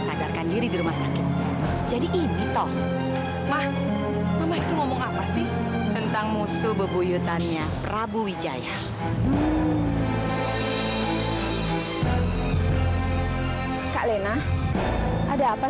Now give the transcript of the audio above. sampai jumpa di video selanjutnya